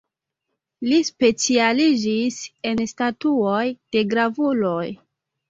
Li specialiĝis en statuoj de gravuloj.